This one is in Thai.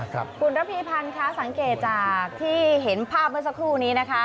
คุณระพีพันธ์ค่ะสังเกตจากที่เห็นภาพเมื่อสักครู่นี้นะคะ